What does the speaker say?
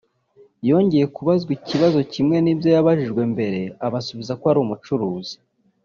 yongeye kubazwa ikibazo kimwe n’ibyo yabajijwe mbere abasubiza ko ari umucuruzi